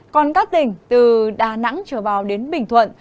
còn các tỉnh từ đà nẵng trở vào đến bình thuận